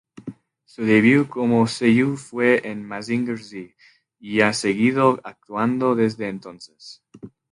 Su debut como seiyū fue en "Mazinger Z", y ha seguido actuando desde entonces.